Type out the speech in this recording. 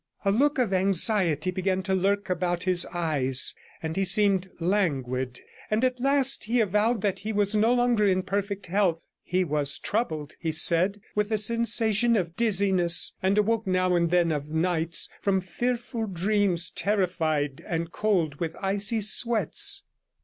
A look of anxiety began to lurk about his eyes, and he seemed languid, and at last he avowed that he was no longer in perfect health; he was troubled, he said, with a sensation of dizziness, and awoke now and then of nights from fearful dreams, terrified and cold with icy sweats.